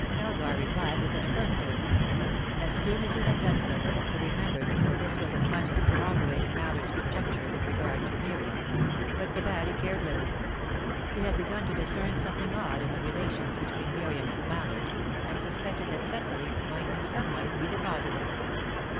Elgar replied with an affirmative. As soon as he had done so, he remembered that this was as much as corroborating Mallard's conjecture with regard to Miriam; but for that he cared little. He had begun to discern something odd in the relations between Miriam and Mallard, and suspected that Cecily might in some way be the cause of it.